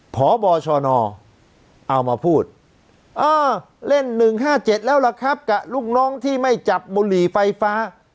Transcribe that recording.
พบชนเอามาพูดเล่น๑๕๗แล้วล่ะครับกับลูกน้องที่ไม่จับบุหรี่ไฟฟ้า